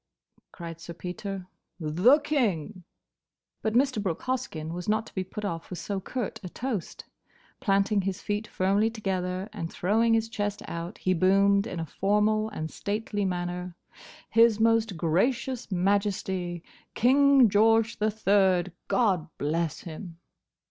cried Sir Peter, "The King!" But Mr. Brooke Hoskyn was not to be put off with so curt a toast. Planting his feet firmly together, and throwing his chest out, he boomed in a formal and stately manner, "His Most Gracious Majesty, King George the Third, God bless him!"